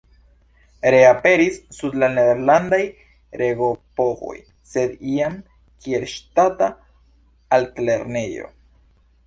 Reaperis sub la nederlandaj regopovoj, sed jam kiel ŝtata altlernejo.